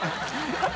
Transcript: ハハハ